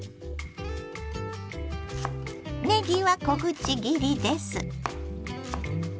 ねぎは小口切りです。